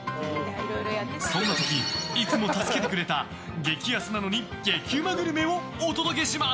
そんな時いつも助けてくれた激安なのに激うまグルメをお届けします。